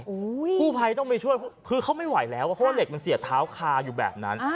กู้ภัยต้องไปช่วยคือเขาไม่ไหวแล้วเพราะว่าเหล็กมันเสียบเท้าคาอยู่แบบนั้น